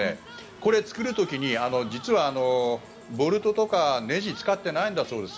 これ、作る時に実はボルトとかねじを使ってないんだそうです。